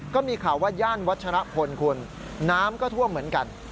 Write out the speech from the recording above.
ก็มีข่าวว่าย่านวัชรพลคุณน้ำก็ท่วมเหมือนกัน